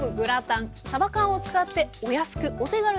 さば缶を使ってお安くお手軽に。